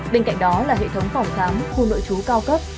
bên cạnh đó là hệ thống phòng khám khu nội chú cao cấp